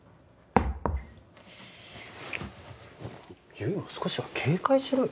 悠依も少しは警戒しろよ